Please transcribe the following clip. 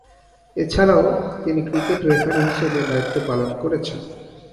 এছাড়াও, তিনি cricket referee হিসেবে দায়িত্ব পালন করেছেন।